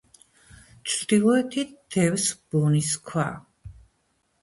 ჩრდილოეთით დევს ბუნის ქვა.